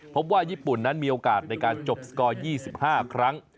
พบว่าญี่ปุ่นนั้นมีโอกาสในการจบสกอร์๒๕ครั้ง